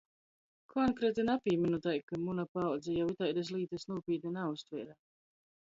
Konkreti napīmiņu, tai kai muna paaudze jau itaidys lītys nūpītni nauztvēre.